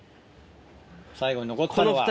最後に残ったのは。